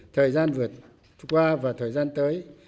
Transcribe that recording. thời gian vượt qua và thời gian tới